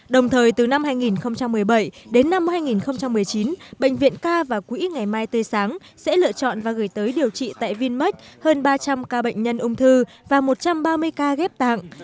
đồng thời từ năm hai nghìn một mươi bảy đến năm hai nghìn một mươi chín bệnh viện ca và quỹ ngày mai tươi sáng sẽ lựa chọn và gửi tới điều trị tại vinmec hơn ba trăm linh ca bệnh nhân ung thư và một trăm ba mươi ca ghép tạng